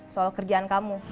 soal kerjaan kamu